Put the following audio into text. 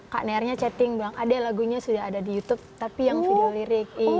kak nearnya chatting bilang adek lagunya sudah ada di youtube tapi yang video lirik